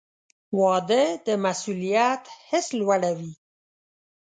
• واده د مسؤلیت حس لوړوي.